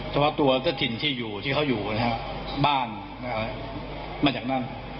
เฉพาะตัวเจ้าถิ่นที่อยู่ที่เขาอยู่นะฮะบ้านมาจากนั่น